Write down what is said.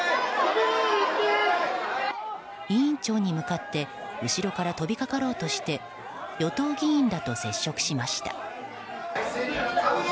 委員長に向かって後ろから飛びかかろうとして与党議員らと接触しました。